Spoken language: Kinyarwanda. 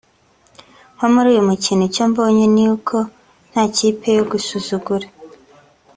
nko muri uyu mukino icyo mbonye ni uko nta kipe yo gusuzugura